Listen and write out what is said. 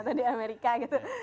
atau di amerika gitu